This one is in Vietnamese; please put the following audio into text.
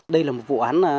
đây là một vụ án